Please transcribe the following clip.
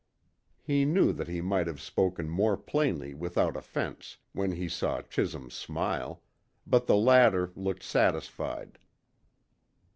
He knew that he might have spoken more plainly without offence, when he saw Chisholm's smile, but the latter looked satisfied.